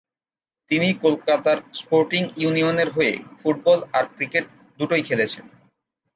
তিনি কলকাতার স্পোর্টিং ইউনিয়নের হয়ে ফুটবল আর ক্রিকেট দুটোই খেলেছেন।